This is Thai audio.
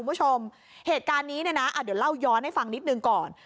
คุณผู้ชมเหตุการณ์นี้เนี่ยนะเดี๋ยวเล่าย้อนให้ฟังนิดหนึ่งก่อน